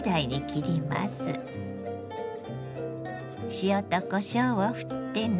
塩とこしょうをふってね。